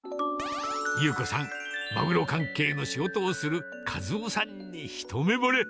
優子さん、マグロ関係の仕事をする一夫さんに一目ぼれ。